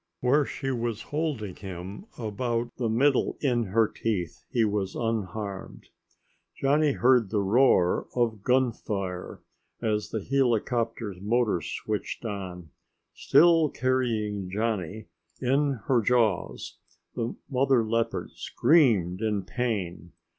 Where she was holding him about the middle in her teeth, he was unharmed. Johnny heard the roar of gunfire as the helicopter's motors were switched on. Still carrying Johnny in her jaws, the mother leopard screamed in pain.